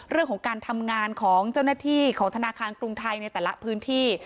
เรื่องของการทำงานของเจ้าหน้าที่ของธนาคารกรุงไทยในแต่ละพื้นที่